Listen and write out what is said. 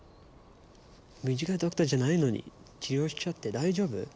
ムジカドクターじゃないのに治療しちゃって大丈夫？